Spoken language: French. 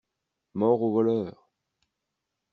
Mort aux voleurs!